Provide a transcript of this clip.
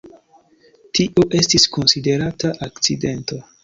Tio estis konsiderata akcidento.